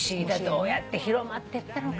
どうやって広まってったのかねぇ。